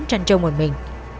trăn trâu một mình